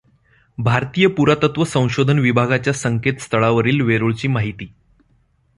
भारतीय पुरातत्व संशोधन विभागाच्या संकेतस्थळावरील वेरूळची माहिती.